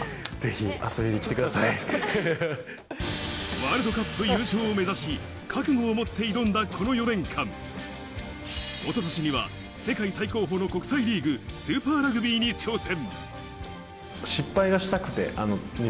ワールドカップ優勝を目指し、覚悟を持って挑んだこの４年間、おととしには世界最高峰の国際リーグ、スーパーラグビーに挑戦。